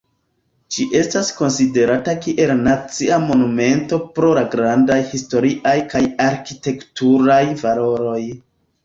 Ĝi estas konsiderata kiel nacia monumento pro la grandaj historiaj kaj arkitekturaj valoroj.